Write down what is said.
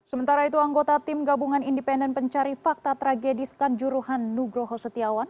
sementara itu anggota tim gabungan independen pencari fakta tragedi skanjuruhan nugroho setiawan